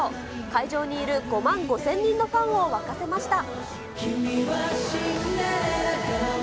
会場にいる５万５０００人のファンを沸かせました。